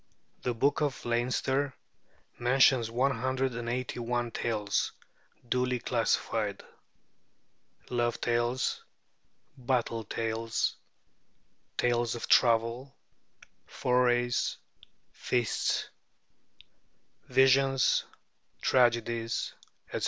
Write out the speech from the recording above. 'The Book of Leinster' mentions one hundred and eighty one tales, duly classified: Love tales, Battle tales, Tales of Travel, Forays, Feasts, Visions, Tragedies, etc.